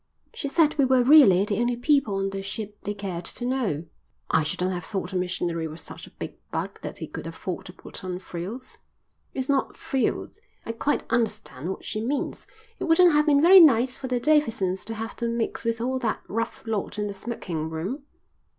"She said we were really the only people on the ship they cared to know." "I shouldn't have thought a missionary was such a big bug that he could afford to put on frills." "It's not frills. I quite understand what she means. It wouldn't have been very nice for the Davidsons to have to mix with all that rough lot in the smoking room."